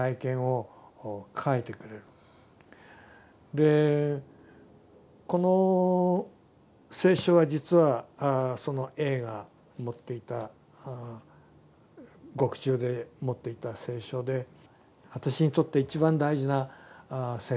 でこの聖書は実はそのＡが持っていた獄中で持っていた聖書で私にとって一番大事な聖書なんですが。